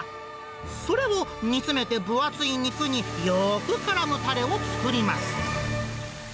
それを煮詰めて分厚い肉によーくからむたれを作ります。